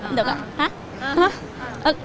หนูก็อยู่อย่างเนี้ย